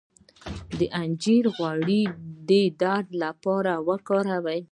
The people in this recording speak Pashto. د زنجبیل غوړي د درد لپاره وکاروئ